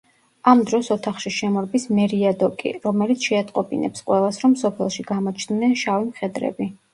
ამ დროს ოთახში შემორბის მერიადოკი, რომელიც შეატყობინებს ყველას, რომ სოფელში გამოჩნდნენ შავი მხედრები.